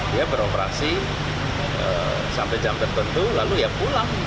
dia beroperasi sampai jam tertentu lalu ya pulang